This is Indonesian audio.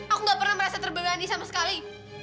aku gak pernah merasa terbebani sama sekali